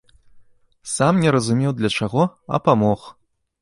Сам не разумеў для чаго, а памог.